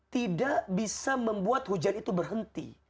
tidak bisa membuat hujan itu berhenti